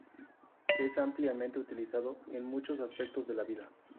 Es ampliamente utilizado en muchos aspectos de la vida.